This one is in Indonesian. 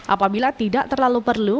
apabila tidak terlalu perlu